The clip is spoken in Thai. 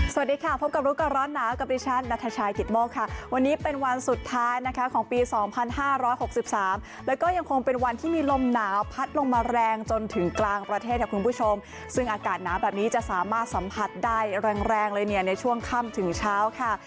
สวัสดีค่ะพบกับรู้ก่อนร้อนหนาวกับดิฉันนัทชายกิตโมกค่ะวันนี้เป็นวันสุดท้ายนะคะของปี๒๕๖๓แล้วก็ยังคงเป็นวันที่มีลมหนาวพัดลงมาแรงจนถึงกลางประเทศค่ะคุณผู้ชมซึ่งอากาศหนาวแบบนี้จะสามารถสัมผัสได้แรงแรงเลยเนี่ยในช่วงค่ำถึงเช้าค่ะ